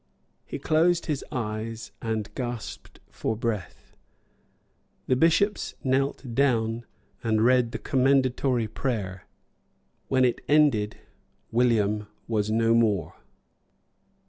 He closed his eyes, and gasped for breath. The bishops knelt down and read the commendatory prayer. When it ended William was no more.